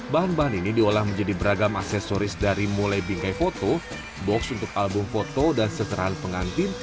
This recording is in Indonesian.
bahan bahan ini diolah menjadi beragam aksesoris dari mulai bingkai foto box untuk album foto dan seserahan pengantin